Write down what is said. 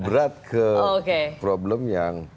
berat ke problem yang